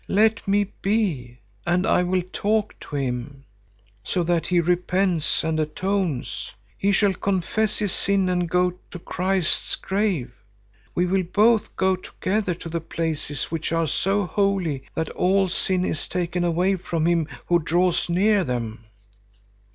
Let me be, and I will talk to him, so that he repents and atones. He shall confess his sin and go to Christ's grave. We will both go together to the places which are so holy that all sin is taken away from him who draws near them.